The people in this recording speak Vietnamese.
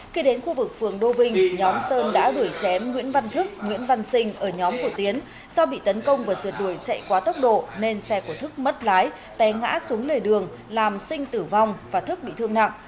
khi đến khu vực phường đô vinh nhóm sơn đã đuổi chém nguyễn văn thức nguyễn văn sinh ở nhóm của tiến do bị tấn công và dượt đuổi chạy quá tốc độ nên xe của thức mất lái té ngã xuống lề đường làm sinh tử vong và thức bị thương nặng